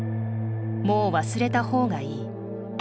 「もう忘れたほうがいい」。